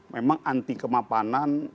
memang anti kemapanan